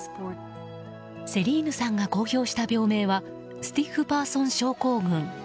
セリーヌさんが公表した病名はスティッフパーソン症候群。